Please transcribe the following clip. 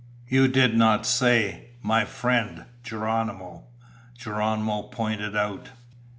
"You did not say, 'My friend, Geronimo,'" Geronimo pointed out.